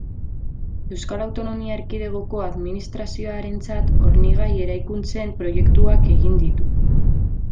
Euskal Autonomia Erkidegoko Administrazioarentzat hornigai-eraikuntzen proiektuak egin ditu.